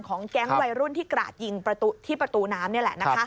แก๊งวัยรุ่นที่กราดยิงที่ประตูน้ำนี่แหละ